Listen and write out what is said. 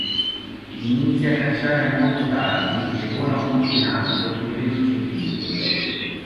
Inizia a cacciare molto tardi e vola molto in alto e velocemente.